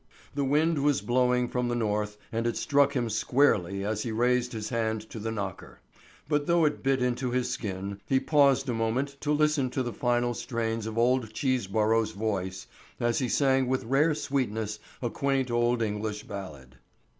The wind was blowing from the north and it struck him squarely as he raised his hand to the knocker, but though it bit into his skin, he paused a moment to listen to the final strains of old Cheeseborough's voice, as he sang with rare sweetness a quaint old English ballad.